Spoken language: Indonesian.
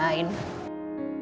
kita hias tempat tidur